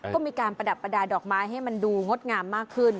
ก็มีการประดับประดาษดอกไม้ให้มันดูงดงามมากขึ้น